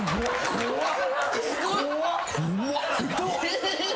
・怖っ！